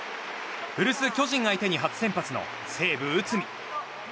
古巣・巨人相手に初先発の西武、内海。